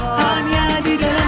hanya di dalam